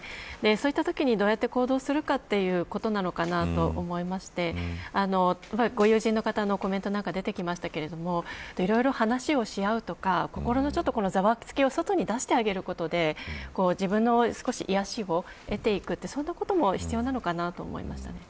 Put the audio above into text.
そういったときにどうやって行動するのかというところなのかなと思いましてご友人の方のコメントなんかに出てきましたけどいろいろ話をし合うとか心のざわつきを外に出してあげることで自分の少し癒やしを得ていくということも必要なのかなと思いました。